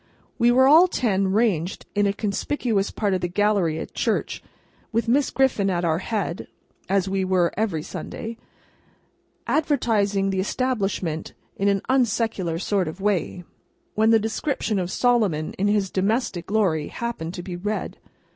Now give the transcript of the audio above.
We were all ten ranged in a conspicuous part of the gallery at church, with Miss Griffin at our head—as we were every Sunday—advertising the establishment in an unsecular sort of way—when the description of Solomon in his domestic glory happened to be read.